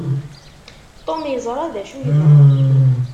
Tom yeẓra d acu yebɣa.